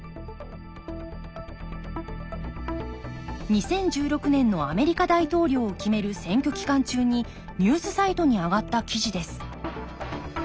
２０１６年のアメリカ大統領を決める選挙期間中にニュースサイトに上がった記事です